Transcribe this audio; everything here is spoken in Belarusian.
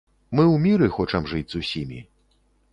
Мы ў міры хочам жыць з усімі.